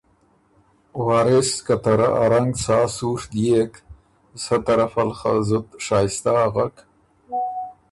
وارث که ته رۀ ا رنګ سا سُوڒ ديېک سۀ طرفه ل خه زُت شائِستۀ اغک،